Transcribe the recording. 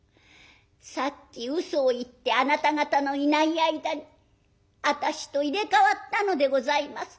さっきうそを言ってあなた方のいない間に私と入れ代わったのでございます。